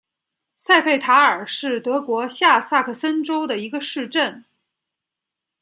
塞费塔尔是德国下萨克森州的一个市镇。